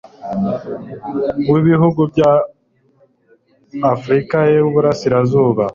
w ibihugu by afurika y iburasirazuba